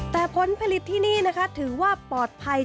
แต่ผลผลิตที่นี่นะคะถือว่าปลอดภัย